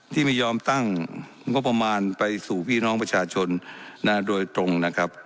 ที่ไม่ยอมตั้งงบประมาณไปสู่พี่น้องประชาชนโดยตรงนะครับ